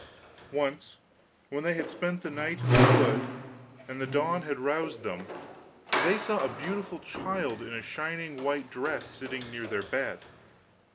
Once when they had spent the night in the wood and the dawn had roused them, they saw a beautiful child in a shining white dress sitting near their bed.